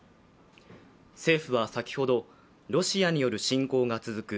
政府は先ほど、ロシアによる侵攻が続く